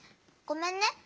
ごめんね。